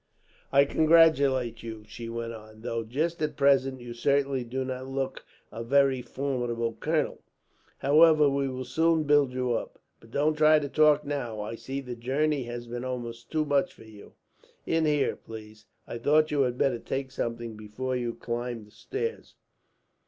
"I congratulate you," she went on, "though just at present, you certainly do not look a very formidable colonel. However, we will soon build you up; but don't try to talk now. I see the journey has been almost too much for you. "In here, please. I thought you had better take something before you climbed the stairs."